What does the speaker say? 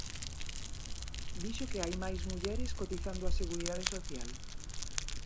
Dixo que hai máis mulleres cotizando á Seguridade Social.